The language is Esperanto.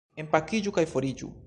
Enpakiĝu kaj foriĝu.